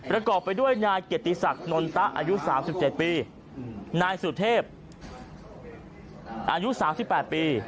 ระกอบไปด้วยนายเกียรติศักดิ์นอนตะอายุสามสิบเจ็ดปีนายสุทธิบอายุสามสิบแปดปี